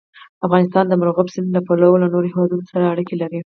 افغانستان د مورغاب سیند له پلوه له نورو هېوادونو سره اړیکې لري.